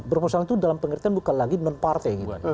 profesional itu dalam pengertian bukan lagi non partai